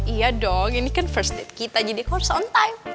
iya dong ini kan first date kita jadi aku harus on time